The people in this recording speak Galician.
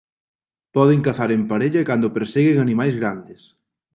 Poden cazar en parella cando perseguen animais grandes.